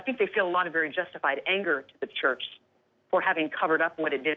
คนบ้างคิดว่าเขาเชื่อถูกเชื่อเกิดที่นี่